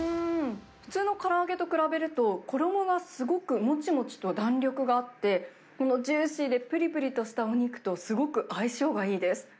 普通のから揚げと比べると、衣がすごくもちもちと弾力があって、このジューシーでぷりぷりとしたお肉と、すごく相性がいいです。